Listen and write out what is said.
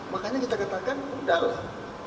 makanya kita katakan mudahlah